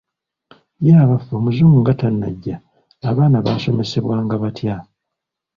Ye abaffe Omuzungu nga tannajja abaana baasomesebwanga batya?